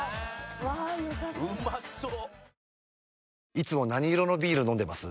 いつも何色のビール飲んでます？